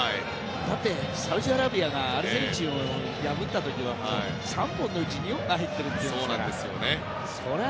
だって、サウジアラビアがアルゼンチンを破った時は３本のうち２本が入っているんだから。